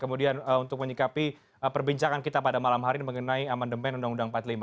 kemudian untuk menyikapi perbincangan kita pada malam hari mengenai amendement uu empat puluh lima